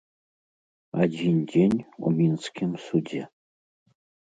Адзін дзень у мінскім судзе.